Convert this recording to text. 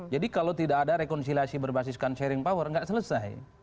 jadi kalau tidak ada rekonsiliasi berbasis sharing power tidak selesai